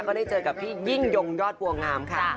ได้เจอกับพี่ยิ่งยงยอดบัวงามค่ะ